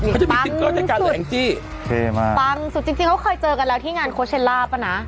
เขาจะมีติดต่อใจการหรือแองจี้ปั๊งสุดจริงเขาเคยเจอกันแล้วที่งานโคเชลล่าป่ะนะ